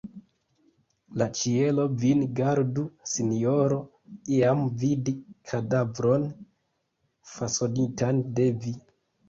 La ĉielo vin gardu, sinjoro, iam vidi kadavron fasonitan de vi!